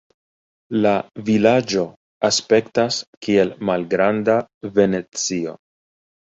La vilaĝo aspektas kiel malgranda Venecio.